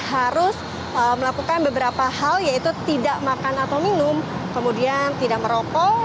harus melakukan beberapa hal yaitu tidak makan atau minum kemudian tidak merokok